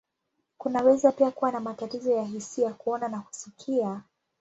Kunaweza pia kuwa na matatizo ya hisia, kuona, na kusikia.